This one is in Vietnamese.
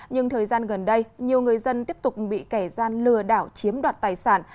nhưng thời gian gần đây nhiều người dân tiếp tục bị kẻ gian lừa đảo chiếm đoạt tài sản